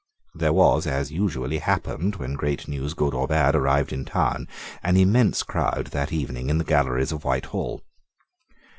There was, as usually happened when great news, good or bad, arrived in town, an immense crowd that evening in the galleries of Whitehall.